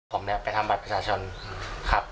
ผมไปทำบัตรประชาชนครับ